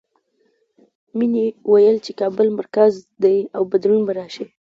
مینې ویل چې کابل مرکز دی او بدلون به راشي